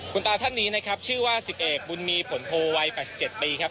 คุณตาท่านนี้นะครับชื่อว่า๑๑บุญมีผลโพวัย๘๗ปีครับ